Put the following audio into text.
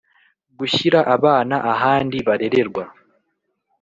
gushyira abana ahandi barererwa